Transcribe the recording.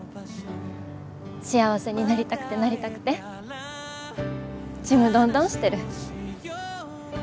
幸せになりたくてなりたくてちむどんどんしてる。